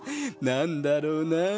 なんだろうなあ？